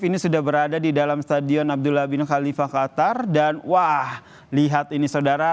ini sudah berada di dalam stadion abdullah bin khalifah qatar dan wah lihat ini saudara